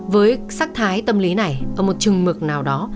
với sắc thái tâm lý này ở một chừng mực nào đó